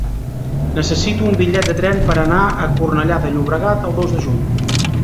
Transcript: Necessito un bitllet de tren per anar a Cornellà de Llobregat el dos de juny.